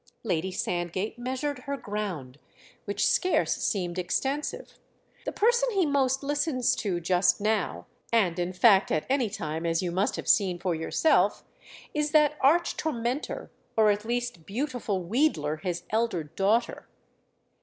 Lady Sandgate measured her ground—which scarce seemed extensive. "The person he most listens to just now—and in fact at any time, as you must have seen for yourself—is that arch tormentor, or at least beautiful wheedler, his elder daughter."